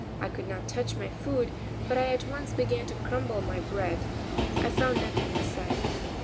I could not touch my food, but I at once began to crumble my bread. I found nothing inside.